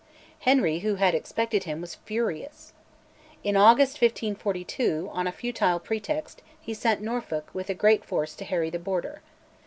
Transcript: Henry, who had expected him, was furious. In August 1542, on a futile pretext, he sent Norfolk with a great force to harry the Border.